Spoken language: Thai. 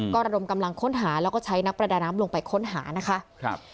ก็ระดมกำลังค้นหาแล้วก็ใช้นักประดาน้ำลงไปค้นหานะคะครับ